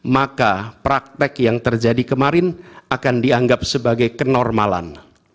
maka praktek yang terjadi kemarin akan dianggap sebagai kenormalan